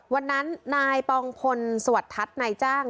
วันนั้นนายปองพลสวัสดิ์ทัศน์นายจ้าง